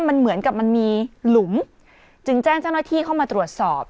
มันเหมือนกับมันมีหลุมจึงแจ้งเจ้าหน้าที่เข้ามาตรวจสอบ